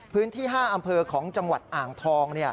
พื้นที่๕อำเภอของจังหวัดอ่างทอง